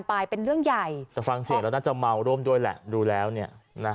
แต่ฟังเสียแล้วน่าจะเมาร่มด้วยแหละรู้แล้วเนี่ย